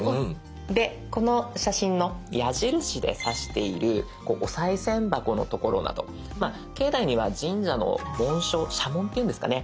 この写真の矢印で指しているおさい銭箱の所など境内には神社の紋章社紋っていうんですかね